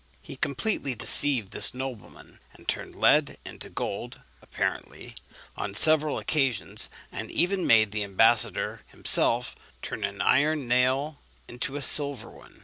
He completely deceived this nobleman; he turned lead into gold (apparently) on several occasions, and even made the ambassador himself turn an iron nail into a silver one.